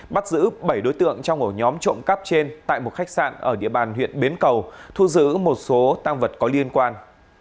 bắt giữ bảy đối tượng trong ổ nhóm trộm cắp trên tại một khách sạn ở địa bàn huyện bến cầu thu giữ một số tăng vật có liên quan